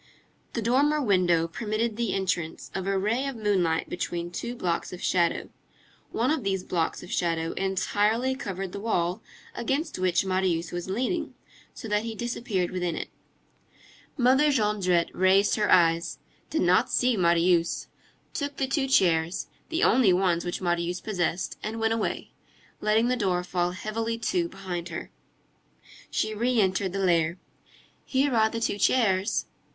The dormer window permitted the entrance of a ray of moonlight between two blocks of shadow. One of these blocks of shadow entirely covered the wall against which Marius was leaning, so that he disappeared within it. Mother Jondrette raised her eyes, did not see Marius, took the two chairs, the only ones which Marius possessed, and went away, letting the door fall heavily to behind her. She re entered the lair. "Here are the two chairs."